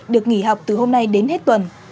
được nghỉ học từ hôm nay đến hết tuần